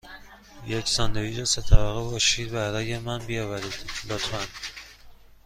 یک ساندویچ سه طبقه با شیر برای من بیاورید، لطفاً.